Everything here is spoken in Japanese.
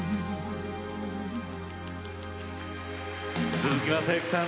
鈴木雅之さん